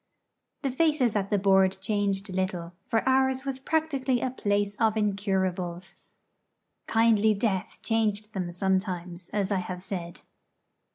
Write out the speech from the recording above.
The faces at the board changed little; for ours was practically a place for incurables. Kindly Death changed them sometimes, as I have said.